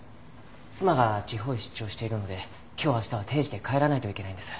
妻が地方へ出張しているので今日明日は定時で帰らないといけないんです。